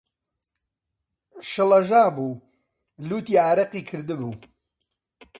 شڵەژابوو، لووتی ئارەقی کردبوو